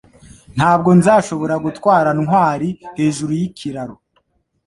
Ntabwo nzashobora gutwara Ntwali hejuru yikiraro